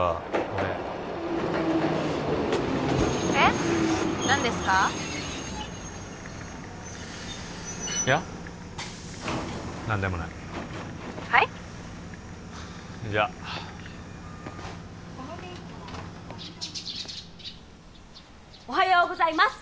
おはようございます